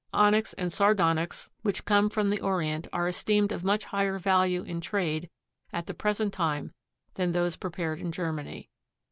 Onyx and sardonyx which come from the Orient are esteemed of much higher value in trade at the present time than those prepared in Germany.